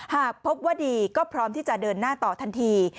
หากพบว่าดีก็พร้อมที่จะเดินหน้าต่อทันที